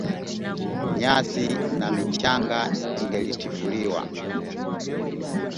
Nyasi na michanga ingetifuliwa